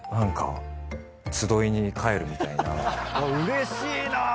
うれしいな！